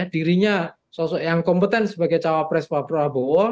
dirinya sosok yang kompeten sebagai cawapres pak prabowo